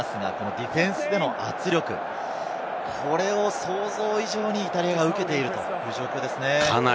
ディフェンスでの圧力、これを想像以上にイタリアが受けているという状況ですね。